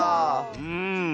うん。